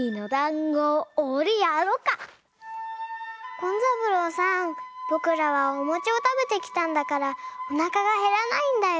紺三郎さんぼくらはおもちをたべてきたんだからおなかがへらないんだよ。